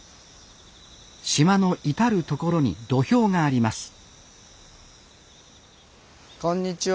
島の至る所に土俵がありますこんにちは。